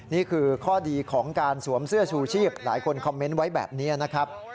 นี่คือข้อดีของการสวมเสื้อชูชีพหลายคนคอมเมนต์ไว้แบบนี้นะครับ